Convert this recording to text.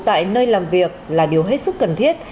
tại nơi làm việc là điều hết sức cần thiết